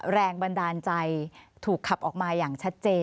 แรงบันดาลใจถูกขับออกมาอย่างชัดเจน